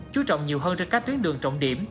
chú trọng nhiều hơn trên các tuyến đường trọng điểm